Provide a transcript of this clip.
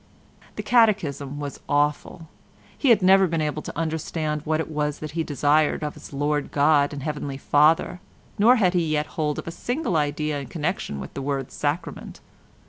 The Catechism was awful. He had never been able to understand what it was that he desired of his Lord God and Heavenly Father, nor had he yet got hold of a single idea in connection with the word Sacrament.